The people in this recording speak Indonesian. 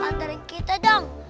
antarin kita dong